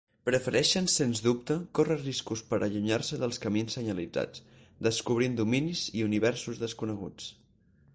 Prefereixen sens dubte córrer riscos per allunyar-se dels camins senyalitzats, descobrir dominis i universos desconeguts.